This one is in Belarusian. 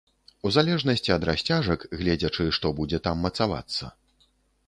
У залежнасці ад расцяжак, гледзячы што будзе там мацавацца.